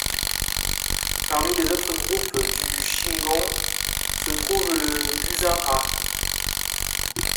Parmi les autres groupes du Shingon se trouve le Buzan-ha.